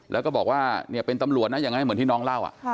แล้วก็บอกว่าเนี่ยเป็นตำรวจนะยังไงเหมือนที่น้องเล่า